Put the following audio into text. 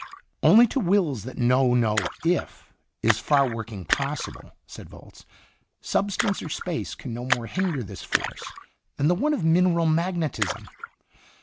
"Only to wills that know no 'if is 'far working' possible," said Volz. "Substance or space can no more hinder this force than the one of mineral magnetism.